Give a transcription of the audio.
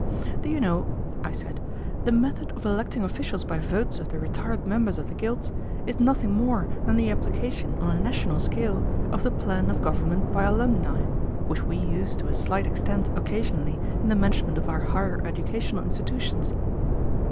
"Do you know," I said, "the method of electing officials by votes of the retired members of the guilds is nothing more than the application on a national scale of the plan of government by alumni, which we used to a slight extent occasionally in the management of our higher educational institutions."